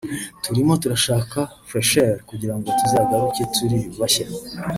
turimo turashaka fraicheur kugirango tuzagaruke turi bashya